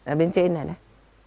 ở bên trên này này